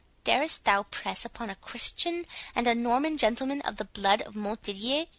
darest thou press upon a Christian, and a Norman gentleman of the blood of Montdidier?"